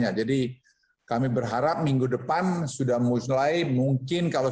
jadi dari tiga hari terakhir ini kita lihat sudah berkisar selalu bermain di antara tiga puluh ribuan